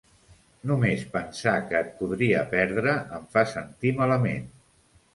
Només pensar que et podria perdre em fa sentir malament.